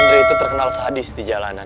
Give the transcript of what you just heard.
negeri itu terkenal sadis di jalanan